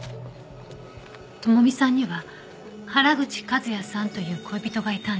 朋美さんには原口和也さんという恋人がいたんです。